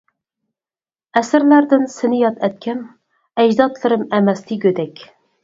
ئەسىرلەردىن سىنى ياد ئەتكەن، ئەجدادلىرىم ئەمەستى گۆدەك.